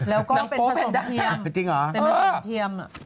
แล้วก็เป็นผสมเทียมเป็นจริงเหรอเป็นหนังโป้เทียม